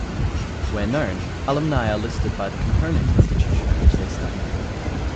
Where known, alumni are listed by the component institution at which they studied.